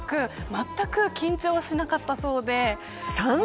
まったく緊張しなかったそうで。